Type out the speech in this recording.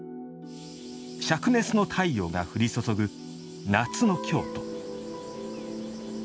しゃく熱の太陽が降り注ぐ夏の京都。